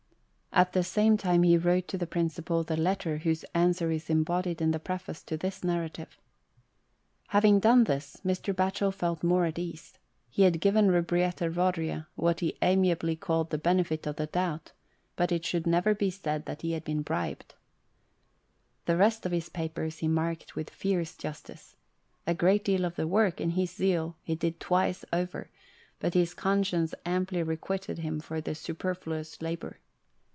At the same time he wrote to the Principal the letter whose answer is embodied in the preface to this narrative. Having done this, Mr. Batchel felt more at ease. He had given Lubrietta Eodria what he amiably called the benefit of the doubt, but it should never be said that he had been bribed. LITBRIETTA. The rest of his papers he marked with fierce justice. A great deal of the work, in his zeal, he did twice over, but his conscience amply requited him for the superfluous labour.